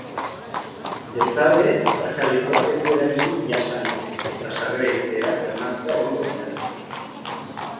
Bestalde, aparkalekuak ez du eraginik jasango, eta sarrera-irteerak bermatuta egongo dira.